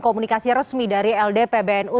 komunikasi resmi dari ldpbnu